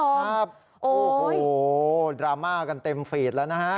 ครับโอ้โหดราม่ากันเต็มฟีดแล้วนะฮะ